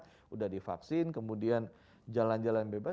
sudah divaksin kemudian jalan jalan bebas